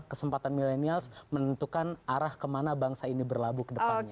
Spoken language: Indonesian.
kesempatan milenials menentukan arah kemana bangsa ini berlabuh ke depannya